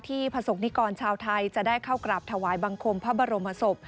ประสบนิกรชาวไทยจะได้เข้ากราบถวายบังคมพระบรมศพ